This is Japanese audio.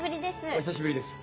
お久しぶりです